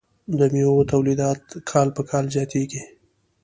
د میوو تولیدات کال په کال زیاتیږي.